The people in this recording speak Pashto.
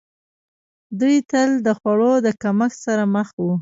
دوی تل د خوړو د کمښت سره مخ وو.